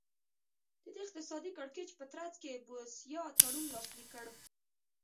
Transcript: د دې اقتصادي کړکېچ په ترڅ کې بوسیا تړون لاسلیک کړ.